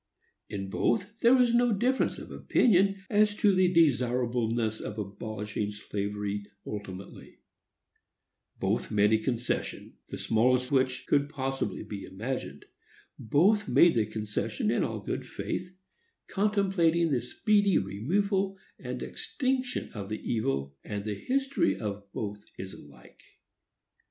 In both there was no difference of opinion as to the desirableness of abolishing slavery ultimately; both made a concession, the smallest which could possibly be imagined; both made the concession in all good faith, contemplating the speedy removal and extinction of the evil; and the history of both is alike.